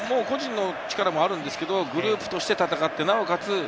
個人の力もあるんですが、グループとして戦って、なおかつ